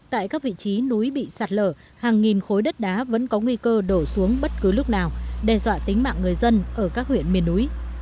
tại các vị trí núi bị sạt lở hàng nghìn khối đất đá vẫn có nguy cơ đổ xuống bất cứ lúc nào đe dọa tính mạng người dân ở các huyện miền núi